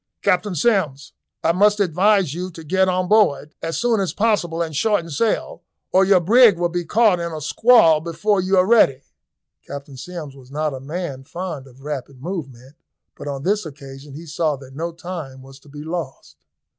"Captain Sims, I must advise you to get on board as soon as possible and shorten sail, or your brig will be caught in a squall before you are ready." Captain Sims was not a man fond of rapid movement, but on this occasion he saw that no time was to be lost.